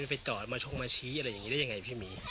ไปจอดมาชกมาชี้อะไรอย่างนี้ได้ยังไงพี่หมี